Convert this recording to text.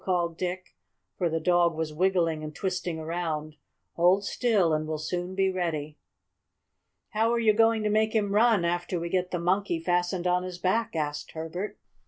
called Dick, for the dog was wiggling and twisting around. "Hold still and we'll soon be ready." "How are you going to make him run, after we get the Monkey fastened on his back?" asked Herbert.